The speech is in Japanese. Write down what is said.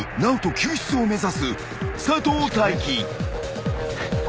救出を目指す佐藤大樹］